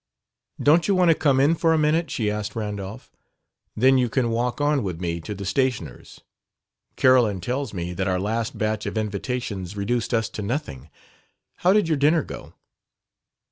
"Don't you want to come in for a minute?" she asked Randolph. "Then you can walk on with me to the stationer's. Carolyn tells me that our last batch of invitations reduced us to nothing. How did your dinner go?"